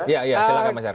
ya ya silahkan mas haru